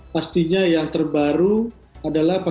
pastinya yang terbaru adalah